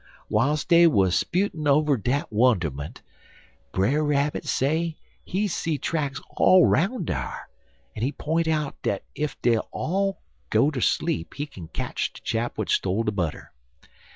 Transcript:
W'iles dey wuz sputin' over de wunderment, Brer Rabbit say he see tracks all 'roun' dar, en he p'int out dat ef dey'll all go ter sleep, he kin ketch de chap w'at stole de butter.